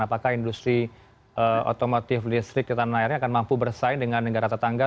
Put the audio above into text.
apakah industri otomotif listrik kita melayani akan mampu bersaing dengan negara tetangga